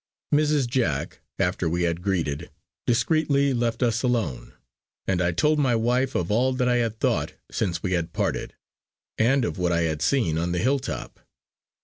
Mrs. Jack, after we had greeted, discreetly left us alone; and I told my wife of all that I had thought since we had parted, and of what I had seen on the hill top.